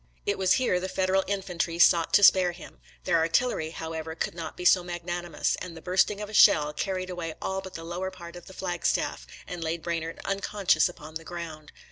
It was here the Federal infantry sought to spare him; their artillery, however, could not be so mag nanimous, and the bursting of a shell carried away all but the lower part of the flagstaff, and laid Branard unconscious upon the ground.